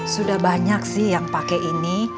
sudah banyak sih yang pakai ini